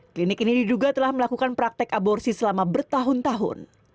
klinik ini diduga telah melakukan praktek aborsi selama bertahun tahun